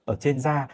ở trên da